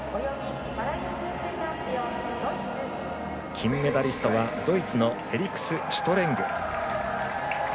金メダリストはドイツのフェリクス・シュトレング。